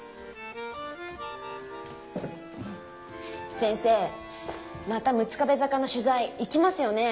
先生また六壁坂の取材行きますよねぇ。